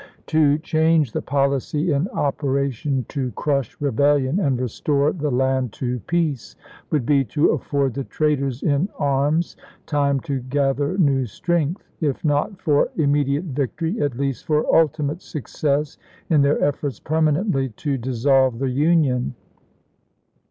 To change the policy in operation to crush rebellion and restore the land to peace would be to afford the traitors in arms time to gather new strength — if not for immediate victory, at least for ultimate success in their efforts permanently to dissolve the Union.